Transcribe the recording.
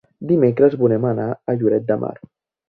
Dimecres volem anar a Lloret de Mar.